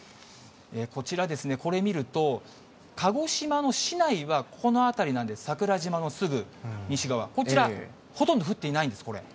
こちらですね、これ見ると、鹿児島の市内はここの辺りなんです、桜島のすぐ西側、こちら、ほとんど降っていないんです、これ。